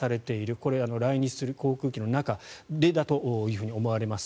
これ、来日する航空機の中でだと思われます。